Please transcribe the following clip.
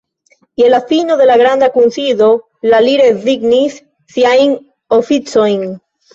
Je la fino de la Granda Kunsido la li rezignis siajn oficojn.